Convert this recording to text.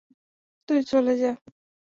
তুই চলে যা।